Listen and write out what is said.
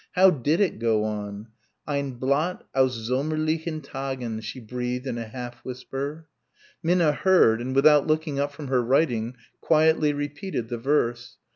How did it go on? "Ein Blatt aus sommerlichen Tagen," she breathed in a half whisper. Minna heard and without looking up from her writing quietly repeated the verse.